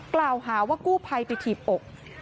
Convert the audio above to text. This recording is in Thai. กล่าวหาว่ากู้ภัยไปถีบอก